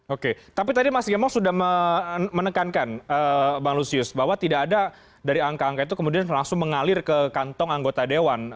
oke tapi tadi mas gembong sudah menekankan bang lusius bahwa tidak ada dari angka angka itu kemudian langsung mengalir ke kantong anggota dewan